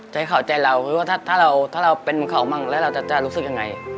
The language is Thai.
จะให้เขาใจเราคือว่าถ้าเราเป็นเขาบ้างแล้วเราจะรู้สึกยังไง